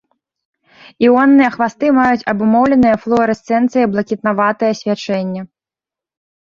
Іонныя хвасты маюць абумоўленае флуарэсцэнцыяй блакітнаватае свячэнне.